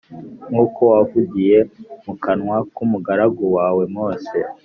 nk’uko wavugiye mu kanwa k’umugaragu wawe Mose